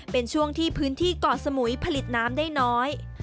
เป็นช่วงที่พื้นที่เกาะสมุยผลิตน้ำได้น้อย